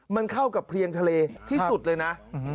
มันเข้ากับเพลียงทะเลที่สุดเลยนะ